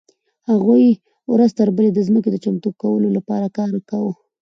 هغوی ورځ تر بلې د ځمکې د چمتو کولو لپاره کار کاوه.